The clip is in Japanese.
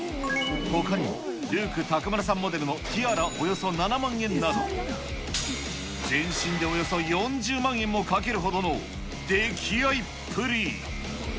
ほかにもルーク篁さんモデルのティアラ、およそ７万円など、全身でおよそ４０万円もかけるほどの溺愛っぷり。